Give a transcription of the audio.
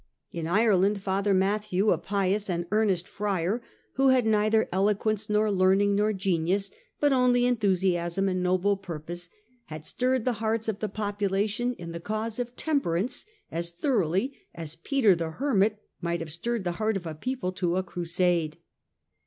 In Ireland Father Mathew, a pions and earnest friar, who had neither eloquence nor learning nor genius, hut only enthusiasm and noble purpose, had stirred the hearts of the population in the cause of temperance as thoroughly as Peter the Hermit might have stirred the heart of a people to a crusade.